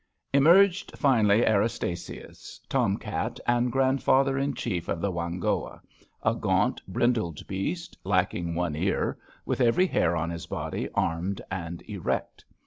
Emerged finally Erastasius, tom cat and grand father in chief of the Whanghoa — a gaunt brindled beast, lacking one ear, with every hair on his body armed and erect.